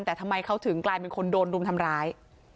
แต่ทำไมเขาถึงกลายเป็นคนโดนรุมทำร้าย